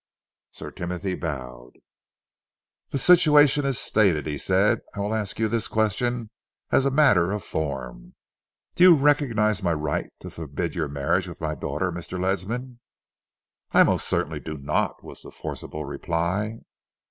Sir Timothy bowed. "The situation is stated," he said. "I will ask you this question as a matter of form. Do you recognise my right to forbid your marriage with my daughter, Mr. Ledsam?" "I most certainly do not," was the forcible reply.